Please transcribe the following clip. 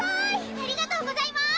ありがとうございます！